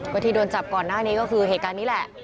ที่โดนจับก่อนหน้านี้ก็คือเหตุการณ์นี้แหละ